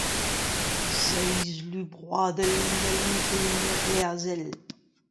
Seizh lu broadel ne c'hellint ket va herzhel.